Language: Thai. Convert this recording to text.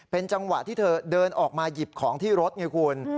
เป็นจังหวะที่เธอเดินออกมาหยิบของที่รถไงคุณ